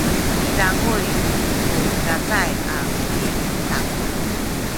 midanguy ku cacay a buting i taku.